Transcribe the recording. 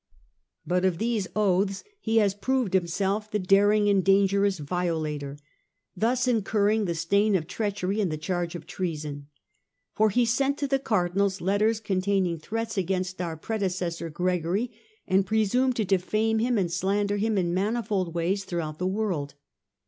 " But of these oaths he has proved himself the daring and dangerous violator ; thus incurring the stain of treachery and the charge of treason. For he sent to the Cardinals letters containing threats against our prede cessor Gregory and presumed to defame him and slander him in manifold ways throughout the world.